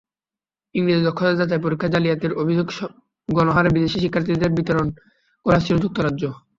ইংরেজির দক্ষতা যাচাই পরীক্ষায় জালিয়াতির অভিযোগে গণহারে বিদেশি শিক্ষার্থীদের বিতাড়ন করে আসছিল যুক্তরাজ্য।